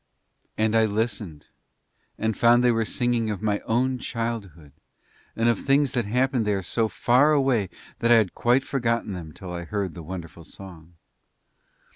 And I listened and found they were singing of my own childhood and of things that happened there so far away that I had quite forgotten them till I heard the wonderful song.